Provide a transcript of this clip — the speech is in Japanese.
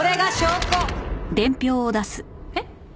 えっ？